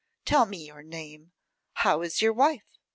Tell me your name. How is your wife?